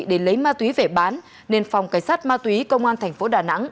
để lấy ma túy về bán nên phòng cảnh sát ma túy công an tp đà nẵng